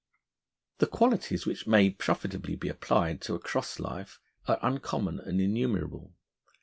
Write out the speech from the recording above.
The qualities which may profitably be applied to a cross life are uncommon and innumerable.